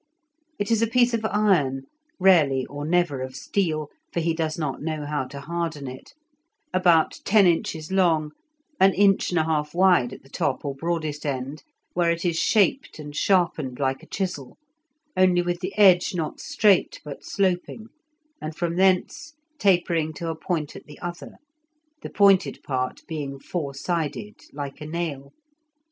It is a piece of iron (rarely or never of steel, for he does not know how to harden it) about ten inches long, an inch and a half wide at the top or broadest end, where it is shaped and sharpened like a chisel, only with the edge not straight but sloping, and from thence tapering to a point at the other, the pointed part being four sided, like a nail.